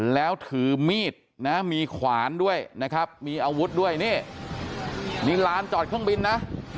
แล้วถือมีดนะมีขวานด้วยนะครับมีอาวุธด้วยนี่มีร้านจอดเครื่องบินนะ